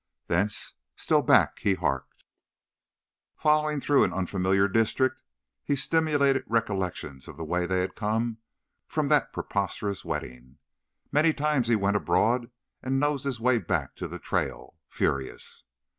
Thence still back he harked, following through an unfamiliar district his stimulated recollections of the way they had come from that preposterous wedding. Many times he went abroad, and nosed his way back to the trail, furious.